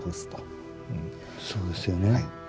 そうですよね。